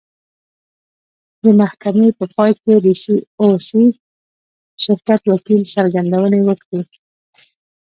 د محکمې په پای کې د سي او سي شرکت وکیل څرګندونې وکړې.